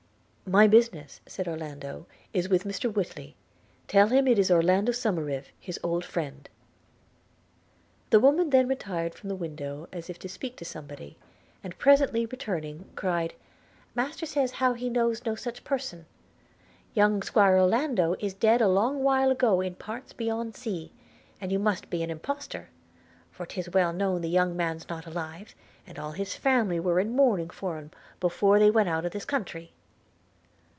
'My business,' said Orlando, 'is with Mr Whitly – Tell him it is Orlando Somerive, his old friend.' The woman then retired from the window as if to speak to somebody, and, presently returning, cried, 'Master says how he knows no such person – Young Squire Orlando is dead a long while ago in parts beyond sea; and you must be a impostor – for 'tis well known the young man's not alive, and all his family were in mourning for un before they went out of this country.'